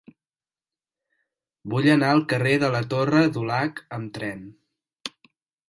Vull anar al carrer de la Torre Dulac amb tren.